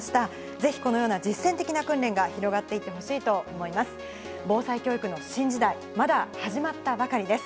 ぜひこのような実践的な訓練が広がっていってほしいと思います。